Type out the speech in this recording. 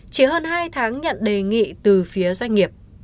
chỉ hơn hai tháng nhận đề nghị từ phía doanh nghiệp